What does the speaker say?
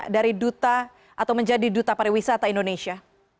dari duta atau menjadi duta pariwisata indonesia